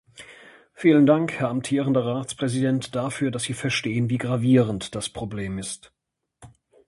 Vielen Dank, Herr amtierender Ratspräsident, dafür, dass Sie verstehen, wie gravierend das Problem ist.